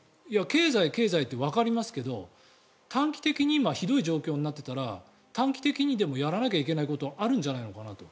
経済、経済ってわかりますけど短期的に今ひどい状況になっていたら短期的にでもやらなきゃいけないことあるんじゃないのかなと。